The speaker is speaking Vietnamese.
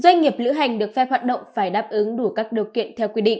doanh nghiệp lữ hành được phép hoạt động phải đáp ứng đủ các điều kiện theo quy định